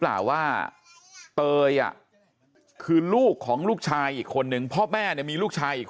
กล่าวว่าเตยคือลูกของลูกชายอีกคนนึงพ่อแม่เนี่ยมีลูกชายอีกคน